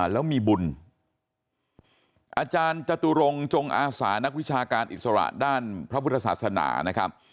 แล้วมีบุญอาจารย์จตุรงจงอาสานักวิชาการอิสระด้านพระพุทธศาสนานะครับ